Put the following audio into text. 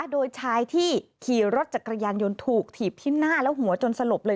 โดยชายที่ขี่รถจักรยานยนต์ถูกถีบที่หน้าและหัวจนสลบเลย